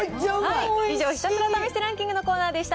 以上、ひたすら試してランキングのコーナーでした。